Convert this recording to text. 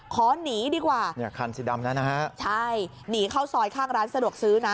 ขอหนีดีกว่าใช่หนีเข้าซอยข้างร้านสะดวกซื้อนะ